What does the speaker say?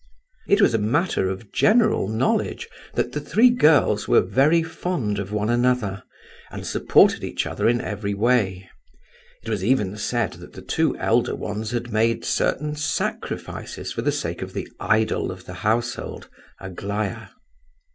It was a matter of general knowledge that the three girls were very fond of one another, and supported each other in every way; it was even said that the two elder ones had made certain sacrifices for the sake of the idol of the household, Aglaya.